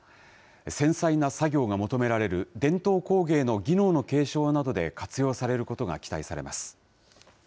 繊細な作業が求められる伝統工芸の技能の継承などで活用されることが期待されます。